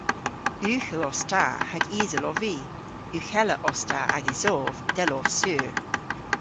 Ughel os ta hag isel ov vy. Ughella os ta agesov, dell ov sur.